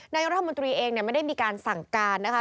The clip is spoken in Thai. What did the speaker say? นายศักรณ์รัฐมนตรีเองเนี่ยไม่ได้มีการสั่งการนะคะ